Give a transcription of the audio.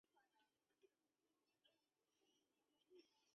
此书封面是当时中共中央主席华国锋所题。